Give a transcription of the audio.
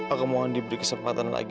aku mohon diberi kesempatan lagi